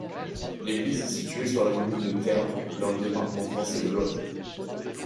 L'église est située sur la commune de Termes, dans le département français de l'Aude.